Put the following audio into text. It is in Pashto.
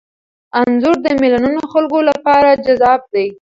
انځور د میلیونونو خلکو لپاره جذاب دی.